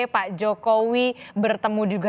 pak jokowi bertemu juga